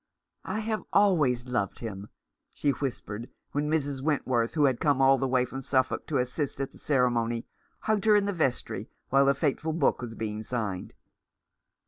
" I have always loved him," she whispered, when Mrs. Wentworth, who had come all the way from Suffolk to assist at the ceremony, hugged her in the vestry, while the fateful book was being signed.